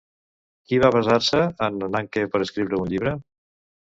Qui va basar-se en Ananke per escriure un llibre?